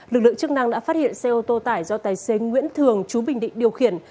lực lượng chức năng đã phát hiện xe ô tô tải do tài xế nguyễn thường chú bình định điều khiển